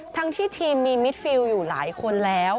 ทั้งที่ทีมมีมิดฟิลอยู่หลายคนแล้ว